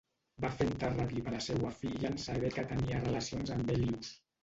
Va fer enterrar viva la seua filla en saber que tenia relacions amb Hèlios.